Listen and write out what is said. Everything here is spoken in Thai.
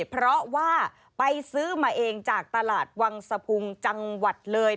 เพราะว่าไปซื้อมาเองจากตลาดวังสะพุงจังหวัดเลย